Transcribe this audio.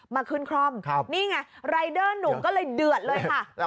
มาขึ้นคร่อมนี่ไงรายเดอร์หนุ่มก็เลยเดือดเลยค่ะ